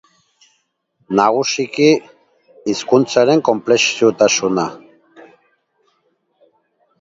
Nagusiki, hizkuntzaren konplexutasuna.